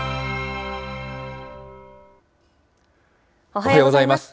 おはようございます。